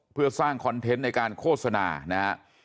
เพื่อสร้างคอนเทนต์ในการโฆษณานะฮะ